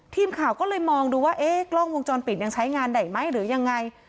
ทีมข่าวก็เลยมองดูว่าเอ๊ะกล้องวงจรปิดยังใช้งานได้ไหมหรือยังไง